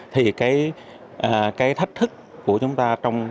thì cái thách thức của chúng ta